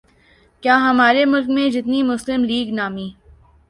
کیا ہمارے ملک میں جتنی مسلم لیگ نامی